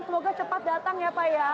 semoga cepat datang ya pak ya